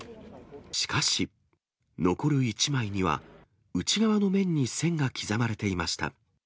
しかし、残る１枚には内側の面に線が刻まれていました。